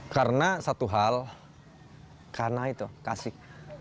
karena satu hal karena itu kasih